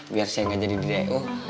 biar saya nggak jadi di d e u